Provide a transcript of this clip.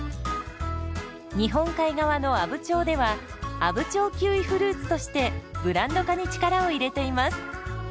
日本海側の阿武町では「阿武町キウイフルーツ」としてブランド化に力を入れています。